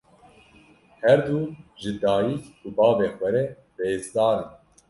Her du ji dayîk û bavê xwe re rêzdar in.